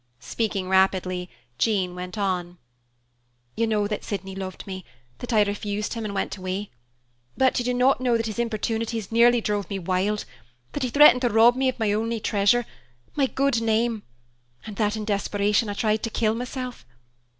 Speaking rapidly, Jean went on, "You know that Sydney loved me, that I refused him and went away. But you do not know that his importunities nearly drove me wild, that he threatened to rob me of my only treasure, my good name, and that, in desperation, I tried to kill myself.